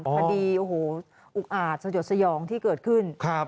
คดีโอ้โหอุกอาจสยดสยองที่เกิดขึ้น